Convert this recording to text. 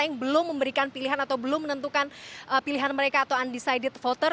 yang belum memberikan pilihan atau belum menentukan pilihan mereka atau undecided voter